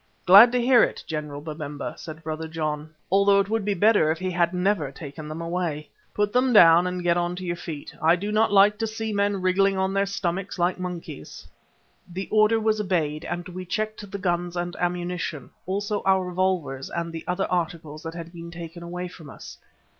"Glad to hear it, General Babemba," said Brother John, "although it would be better if he had never taken them away. Put them down and get on to your feet. I do not like to see men wriggling on their stomachs like monkeys." The order was obeyed, and we checked the guns and ammunition; also our revolvers and the other articles that had been taken away from us.